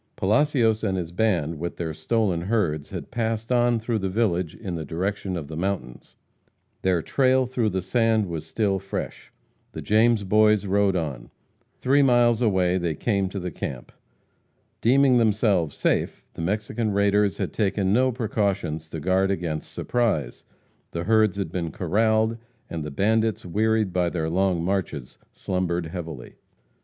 Palacios and his band, with their stolen herds, had passed on through the village in the direction of the mountains. Their trail through the sand was still fresh. The James Boys rode on. Three miles away they came to the camp. Deeming themselves safe, the Mexican raiders had taken no precautions to guard against surprise. The herds had been corraled, and the bandits, wearied by their long marches, slumbered heavily. [Illustration: After the "Greasers."